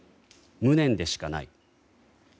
無念でしかない。